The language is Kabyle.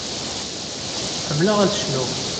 Ḥemmleɣ ad cnuɣ.